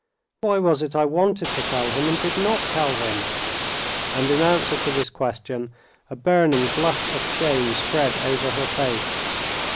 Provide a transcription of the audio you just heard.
Why was it I wanted to tell him and did not tell him?" And in answer to this question a burning blush of shame spread over her face.